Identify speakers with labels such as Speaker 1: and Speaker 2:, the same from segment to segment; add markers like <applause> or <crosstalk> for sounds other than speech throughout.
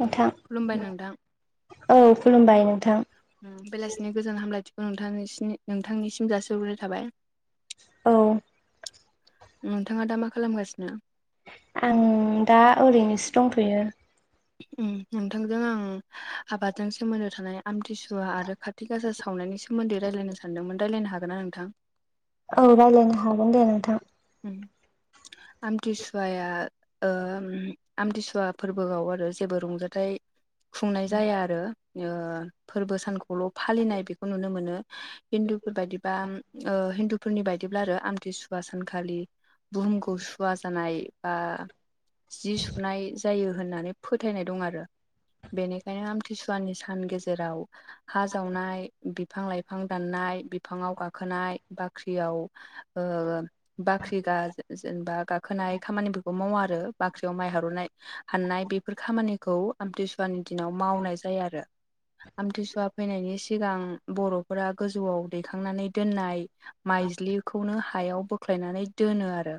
Speaker 1: नोंथां
Speaker 2: खुलुमबाय नोंथां
Speaker 1: औ खुलुमबाय नोंथां।
Speaker 2: बेलासिनि गोजान हामलायथिखौ नोंथांनि नोंथांनिसिम जासिहरग्रोनाय थाबाय।
Speaker 1: औ
Speaker 2: नोंथाङा दा मा खालामगासिनो?
Speaker 1: आं दा ओरैनोसो दंथयो।
Speaker 2: नोंथांजों आं आबादजों सोमोन्दो थानाय आमथिसुवा आरो खाारथि गासा सावनायनि सोमोन्दै रायज्लायनो सानदोंमोन रायलायनो हागोनना नोंथां?
Speaker 1: औ रायज्लायनो हागोन दे नोंथां।
Speaker 2: उम आमथि सुवाया ओम आमथि सुवा फोरबोआव आरो जेबो रंजाथाइ खुंनाय जाया आरो ओ फोरबो सानखौल फालिनाय बेखौ नुनो मोनो हिन्दुफोर बायदिबा ओ हिन्दु फोरनि बायदिब्ला आरो आमथि सुवा सानखालि बुहुमखौ सुवा जानाय बा जि सुनाय जायो होननानै फोथायनाय दं आरो बेनिखायनो आमथि सुवानि सान गेजेराव हा जावनाय बिफां लाइ बिफां दाननाय बिफाङाव गाखोनाय बाख्रियाव ओ बाख्रि गा जेनेबा गाखोनाय खामानिफोरखौ मावा आरो बाख्रियाव माइ हारनाय हाननाय बेफोर खामानिखौ आमथि सुवानि दिनाव मावनाय जाया आरो। आमथि सुवा फैनायनि सिगां बर'फोरा गोजौआव दैखांनानै दोननाय माइज्लिखौनो हायाव बोख्लायनानै दोनो आरो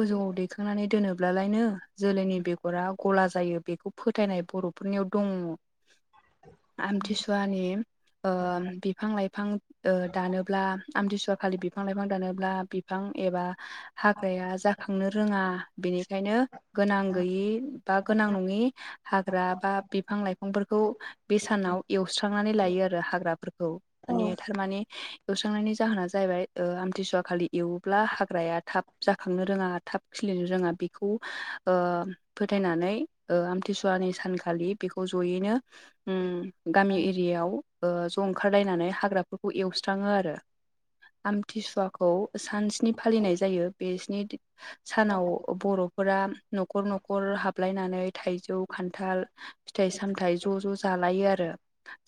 Speaker 2: गोजौआव दैखांनानै दोनो ब्ला लायनो जोलैनि बेगरा ग'ला जायो बेखौ फोथायनाय बर'फोरनियाव दङ। आमथि सुवानि ओ बिफां-लाइफां ओ दानोब्ला आमथि सुवा खालि बिफां-लाइफां दानोब्ला बि फां एबा हाग्राया जाखांनो रोङा बेनिखायनो गोनां गैयि बा गोनां नङि हाग्रा बा बिफां-लाइफांफोरखौ बे सानाव एवस्रांनानै लायो आरो हाग्राफोर खौ
Speaker 1: औ
Speaker 2: माने थारमाने एवस्रांनायनि जाहोना जाहैबाय ओ आमथिसुवा खालि एव ब्ला हाग्राया थाब जाखांनो रोङा थाब खिलिनो रोङा बेखौ ओ फोथायनानै ओ आमथि सुवानि सानखालि बेखौ जयैनो उम गामि एरियायाव ओ ज' ओंखारलायनानै हाग्राफोरखौ एवस्राङो आरो आमथि सुवाखौ सान स्नि फालिनाय जायो बे स्नि सानाव बर'फोरा नखर नखर हाब लायनानै थाइजौ, खान्थाल फिथाइ सामथाइ ज' ज' जालायो आरो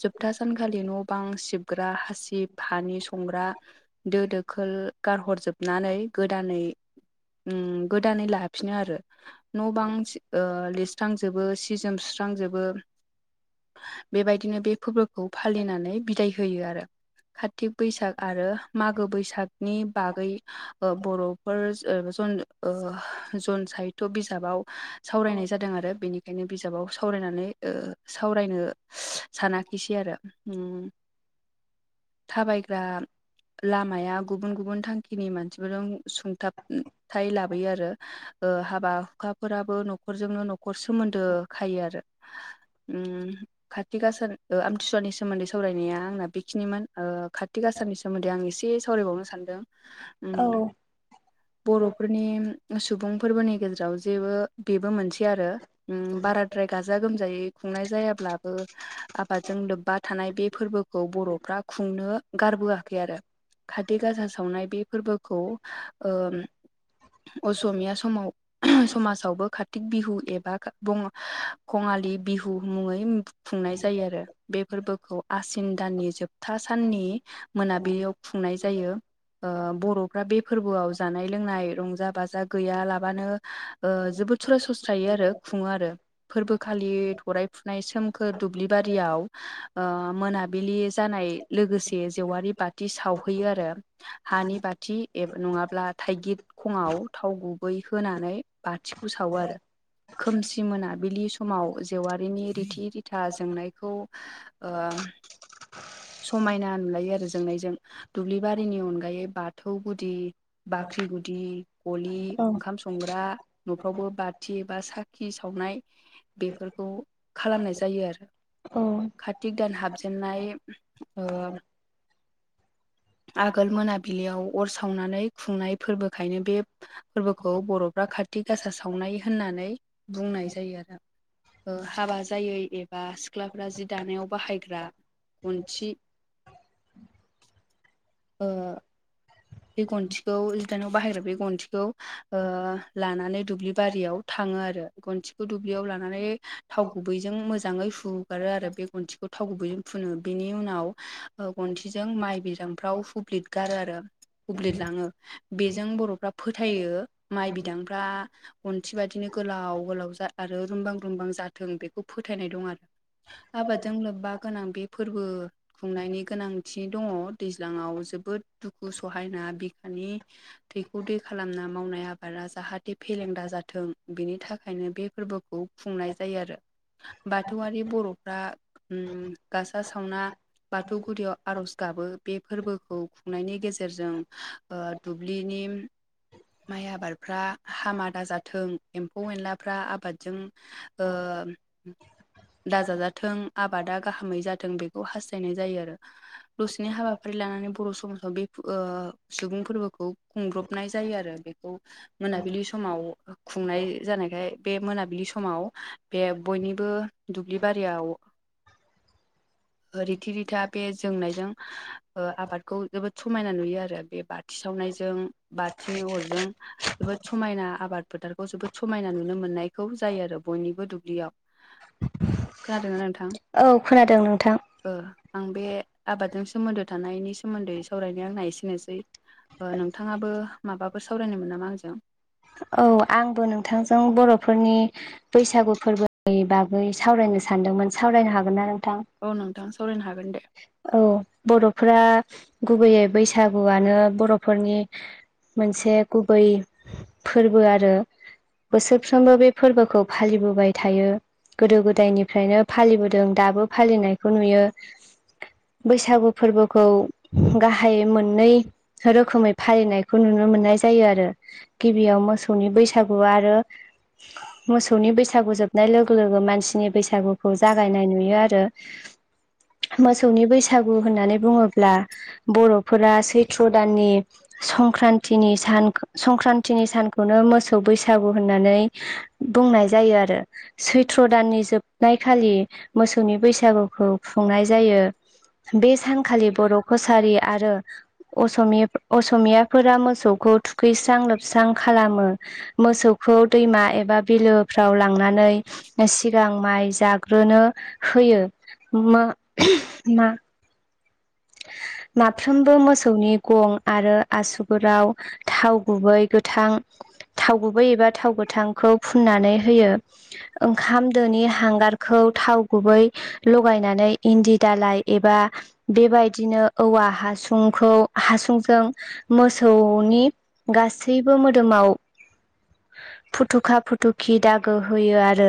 Speaker 2: जोबथा सानखालि न' बां सिबग्रा हासिब हानि संग्रा दो दोखोल गारहर जोब नानै गोदानै उम गोदानै लाफिनो आरो। न' बां सि ओ लिस स्रांजोबो सि जोम सुस्रांजोबो बेबायदिनो बे फोरबो खौ फालिनानै बिदाय होयो आरो। खातिक बैसाग आरो मागो बैसागनि बागै ओ बर'फोर जन ओ जन साहित्य बिजाबाव सावरायनाय जादों आरो बेनि ओंखायनो बिजाबाव सावरायनानै ओ सावरायनो सानाखिसै आरो उम थाबायग्रा लामाया गुबुन गुबुन थां खिनि मानसिफोरजों सुंथाबथाय लाबोयो आरो ओ हाबा हुखाफोराबो न खरजोंनो नखर सोमोन्दो खायो आरो उम खाति गासा ओ आमथिसुवानि सोमोन्दै सावरायनाया आंना बेखिनिमोन ओ खाति गासानि सोमोन्दै आं एसे सावरायबावनो सानदों उम
Speaker 1: औ
Speaker 2: बर'फोरनि सुबुं फोरबोनि गेजेराव जेबो बेबो मोनसे आरो। उम बाराद्राय गाजा-गोमजायै खुंनाय जायाब्लाबो आबादजों लोब्बा थानाय बे फोरबो खौ बर'फ्रा खुंनो गारबोआखै आरो खाति गासा सावनाय बे फोरबोखौ ओम असमिया समाव समाजावबो खातिक बिहु एबा बं कङालि बिहु मुङै खुंनाय जायो आरो बे फोरबोखौ आसिन दाननि जोबथा साननि मोनाबिलियाव खुंनाय जायो। ओ बर'फ्रा बे फोरबोआव जानाय लोंनाय रंजा बाजा गैयालाबानो ओ जोबोद सयस्रयसस थायो आरो खुङो आरो। फोरबोखालि थरायफुनाय सोमखोर दुब्लिबारियाव ओ मोनाबिलि जानाय ओ लोगोसे जेवारि बाथि सावहैयो आरो। हानि बाथि एबा नङाब्ला थाइगिर खङाव थाव गुबै होनानै बाथिखौ सावो आरो। खोमसि मोनाबिलि समाव जेवारिनि रिथि रिथा जोंनायखौओ ओ समायना नुलायो आरो जोंनायजों दुब्लि बारि नि अनगायै बाथौ गुदि, बाख्रि गुदि, गलि,
Speaker 1: औ
Speaker 2: ओंखाम सं संग्रा न'फ्रावबो बाथि बा साखि सावनाया बेफोरखौ खालामनाय जायो आरो ओ।
Speaker 1: अ
Speaker 2: खातिख दान हाबजेननाय ओ आगोल मोनाबिलियाव अर सावनानै खुंनाय फोरबोखायनो बेयो फोरबोखौ बर'फ्रा खाथि गासा सावनाय होननानै बुंनाय जायो आरो ओ हाबा जायै एबा सिख्लाफ्रा जि दानायाव बाहायग्रा गनथिआ ओ बे गनथिखौ जिदानाव बाहायग्रा बे गनथिखौ लानानै दुब्लि बारियावो थाङो आरो गनथिखौ दुब्लियाव लानानै थाव गुबैजों मोजाङै हु फुगारो आरो बे गन्थिखौ थाव गुबैजों फुनो बेनि उनाव गनथिजों माइ बिदां फ्राव हुब्लिद गारो आरो हुब्लिद लाङो बेजों बर'फ्रा फोथायो ओ माइ बिदांफ्रा गनथि बादिनो गोलाव गोलाव आरो रुमबां रुमबां जाथों बेखौ फोथायनाय दं आरो ना आबादजों लोब्बा गोनां बे फोरबो खुंनायनि गोनांथि दङ। दैज्लाङाव जोबोद दुखु सहायना बिखानिआ थैखौ दै खालामना मावनाय आबादा जाहाथे फेलेंदा जाथों बेनि थाखायनो बे फोरबोखौओ खुंनाय जायो आरो बाथौआरि बर'फ्रा ओम गासा सावना बाथौ गुदियाव आर'ज गाबो। बे फोरबोखौ खुंनायनि गेजेरजों दुब्लिनिओ माइ आबादफ्रा हामा दाजाथों एम्फौ-एनलाफ्रा आबादजों ओ दा जाजाथों ओ आबादा गाहामै जाथों बेखौ हास्थायनाय जायो आरो दसेनि हाबा फारि लानानै बर' समाजाव बे सुबुं फोरबोखौ खुंब्रबनाय जायो आरो बेयो बे मोनाबिलि समाव खुंनाय जानायखायो बे मोनाबिलि समाव बे बयनिबो दुब्लि बारियावो रिथि-रिथा बे जोंनायजों आबादखौ जोबोद समायना नुयो आरो बे बाथि सावनायजों बाथिनि अरजों ओ जोबोद समायना आबाद फोथारखौ जोबोद समायना नुनो मोननायखौ जायो आरो बयनिबो दुब्लियाव खोनादोंना नोंथां?
Speaker 1: औ खोनादों नोंथां ओ।
Speaker 2: आं बे आबादजों सोमोन्दो थानायनि सोमोन्दै सावरायनाय आंना एसेनोसै। नोंथाङाबो माबाबो सावरायनोमोन नामा आंजोंओ
Speaker 1: औ आंबो नोंथांजों बर'फोरनि बैसागु फोरबोनि बागै सावरायनो सानदोंमोन सावरायनो हागोनना नोंथां ओ।
Speaker 2: औ नोंथां सावरायनो हागोन दे।
Speaker 1: ओ औ बर'फोरा गुबैयै बैसागुआनो बर'फोरनि मोनसे गुबै फोरबो आरोना। बोसोरफ्रोमबो बे फोरबोखौ फालिबोबाय थायोओ गोदो-गोदायनिफ्रायनो फालिबोदों दाबो फालिनायखौ नुयो। बैसागु फोरबोखौ गाहायै मोननैसो रोखोमै फालिनायखौ नुनो मोननाय जायो आरो। गिबियाव मोसौनि बैसागु आरो ओ मोसौनि बैसागु जोबनाय लोगो लोगो मानसिनि बैसागुखौ जागायनाय नुयो आरो मोसौनि बैसागु होननानै बुङोब्ला बर'फोरा सैथ्र दाननि संक्रान्तिनि सान संक्रान्तिनि सानखौनो मोसौ बैसागु होननानै बुंनाय जायो आरो सैथ्र दाननि जोबनायखालि मोसौनि बैसागुखौ खुंनाय जायो बे सानखालि बर' कचारी आरो असमि असमियाफोरा मोसौखौ थुखैस्रां लोबस्रां खालामो मोसौखौ दैमा एबा बिलोफ्राव लांनानै सिगां माइ जाग्रोनो होयो मो मा माफ्रोमबो मोसौनि गं आरो आसुगुराव थाव गुबै गोथां थाव गुबै एबा थाव गोथांखौ फुननानै होयो ओंखाम दोनि हांगारखौ थाव गुबै लगायनानै इन्दि दालाय एबा बेबाय दिनो औवा हासुंखौ हासुंजों मोसौनि गासैबो मोदोमाव फुथुखा फुथुखि दागो होयो आरो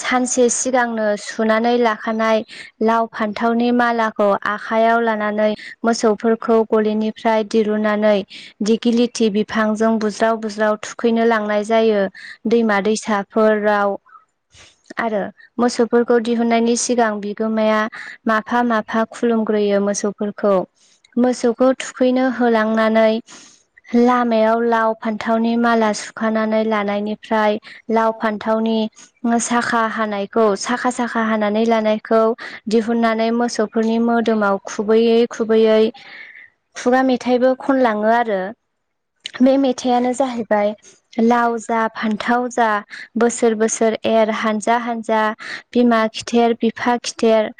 Speaker 1: सानसे सि सिगांनो सुनानै लाखानाय लाव फान्थावनि माला खौ आखायाव लानानै मोसौफोरखौ गलिनिफ्राय दिरुनानै दिगिलिथि बिफांजों बुज्राव बुज्राव थुखैनो लांनाय जायो दैमा दैसा फोराव आरो मोसौफोरखौ दिहुननायनि सिगां बिगोमाया माफा मा खुलुमग्रोयो मोसौफोरखौ मोसौखौ थुखैनो होलांनानै लामायाव लाव फान्थावनि माला सुखानानै लानायनिफ्राय लाव फान्थावनि साखा हानाय खौ साखा साखा हानानै लानायखौ दिहुननानै मोसौ फोरनि मोदोमाव खुबैयै खुबैयै खुगा मेथाइबो खनलाङो आरो बे मेथायानो जाहैबाय लाव जा फान्थाव जा बोसोर बोसोर एर हानजा हानजा बिमा खिथेर बिफा खिथेर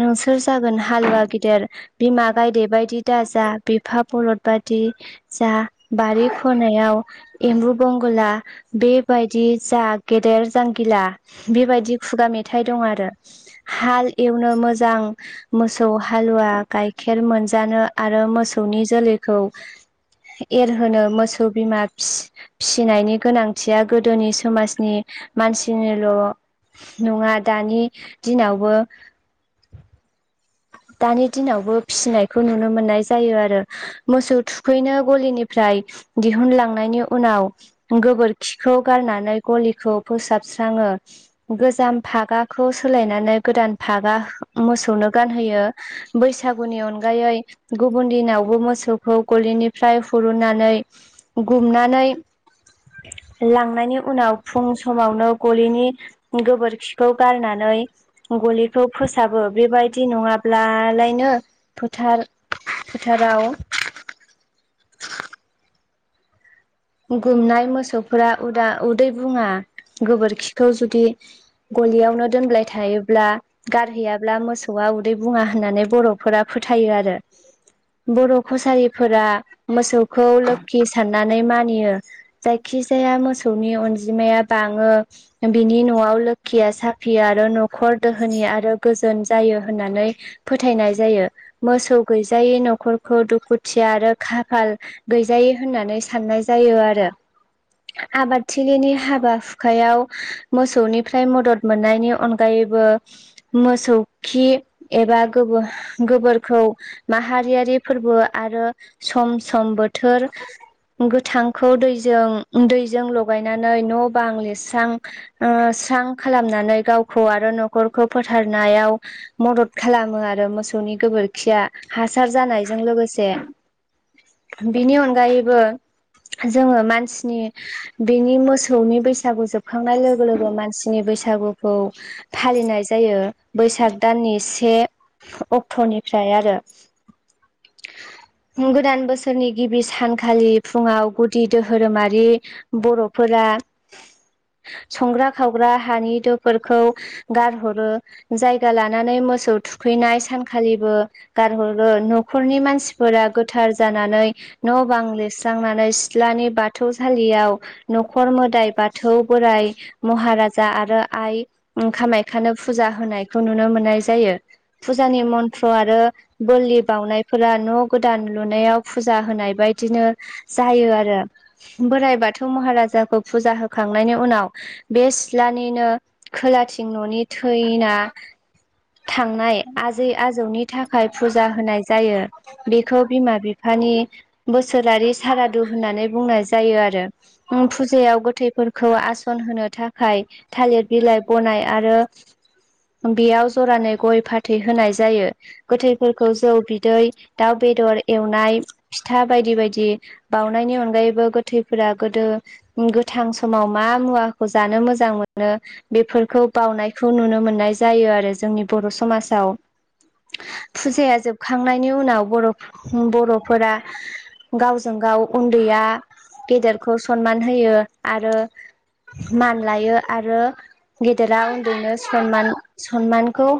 Speaker 1: नों सोर जागोन हालुवा गिदेर बिमा गायदे बायदि दाजा बिफा बलद बायदि जा बारि खनायाव एम्बु बंगला बेबायदि जा गेदेर जांगिला बेबायदि खुगा मेथाइ दं आरो हाल एवनो मोजां मोसौ हालुवा गाइखेर मोनजानो आरो मोसौनि जोलैखौ एरहोनो मोसौ बिमा फिसिनायनि गोनां थिया गोदोनि समाजनि मानसिनिल' नङा दानि दिनावबो दानि दिनावबो फिसिनायखौ नुनो मोननाय जायो आरो मोसौ थुखैनो गलिनिफ्राय दिहुनलांनायनि उनाव गोबोर खिखौ गारनानै गलिखौ फोसाबस्राङो गोजाम फागाखौ सोलायनानै गोदान फागा मोसौनो गानहोयो बैसागोनि अनगायै गुबुन दिनावबो मोसौखौ गलिनिफ्राय हुरुननानै गुमनानै लांनायनि उनाव फुं समावनो गलिनि गोबोरखिखौ गारनानै गलिखौ फोसाबो बेबायदि नङाब्लालायनो फोथार फोथाराव गुमनाय मोसौफोरा उदा उदै बुङा गोबोरखिखौ जुदि गलियावनो दोनबाय थायोब्ला गारहैयाब्ला मोसौआ उ दै बुंआ होननानै बर'फोरा फोथायो आरो' बर कसारि फोरा मोसौखौ लोखि साननानै मानियो जायखि जाया मोसौ मोसौनि अनजिमाया बाङो बिनि न'आव लोखि लोखिया साफिया आरो न'खर दोहोनि आरो गोजोन जायो होननानै फोथायनाय जायो। मोसौ गैजायै न'खरखौ दुखु दुखुथिया आरो खाफाल गैजायै होननानै साननाय जायो आरो।
Speaker 2: <inaudible>
Speaker 1: आबादथिलिनि हाबा हुखायाव मोसौनिफ्राय मदद मोननायनि अनगायैबो मोसौ खि एबा गोबोर गोबोरखौ माहारियारि फोरबो आरो सम सम बोथोर थांखौ दै दैजों लगायनानै न' बां लिरस्रां ओ स्रां खालामनानै गावखौ आरो न'खरखौ फोथारनायाव मदद खालामो आरो मोसौनि गोबोरखिया हासार जानायजों लोगोसे बिनि अनगायैबो जोङो मानसिनि बिनि मोसौनि बैसागु जोबखांनाय लोगो लोगो मानसि नि बैसागोखौ फालिनाय जायो बैसाग दाननि से अक्ट'निफ्राय आरो गोदान बोसोरनि गिबि सानखालि फुङाव गुदि दोहोरोमारि बर'फोरा संग्रा खावग्रा हानि दोफोरखौ गारहरो जायगा लानानै मोसौ थुखैनाय सान खालिबो गारहरो न'खरनि मानसिफोरा गोथार जानानै न' बां लिस जांनानै सिथ्लानि बाथौसालियाव न'खर मोदाय बाथौ बोराइ महाराज जा आरो आइ ओम खामायखानो फुजा होनायखौ नुनो मोननाय जा जायो। फुजानि मन्त्र आरो बोलि बावउनायफोरा न' गोदान लुनायाव फुजा होनाय बायदिनो जायो आरो बोराइ बाथौ महा राजाखौ फुजा होखांनायनि उनाव, बे सिथ्लानिनो खोलाथिं न'नि थैना थांनाय आजै आजौनि थाखाय फुजा होनाय जायो बेखौ बिमा बिफानि बोस सोरारि सारादु होननानै बुंनाय जायो आरो। ओम फुजायाव गोथैफोरखौ आसन होनो थाखाय थालिर बिलाइ बनाय आरो बेयाव जरानै गय फाथ गोथै होनाय जायो गोथैफोरखौ जौ बिदै दाउ बेदर। एवनाय फिथा बायदि बायदि बाउनायनि अनगायैबो गोथैफोरा गोदो गोथां समाव मा मुवाखौ जानो मोजां मोनो बेफोरखौ बावनायखौ नुनो मोननाय जायो आरो जोंनि बर' समाजाव। फुजाया जोबखांनायनि उनाव बर'ब बर'फोरा गावजों गाव उन्दैया गेदेरखौ सनमान होयो आरो मान लायो आरो गेदेरा उन्दैनो सनमान सनमानखौ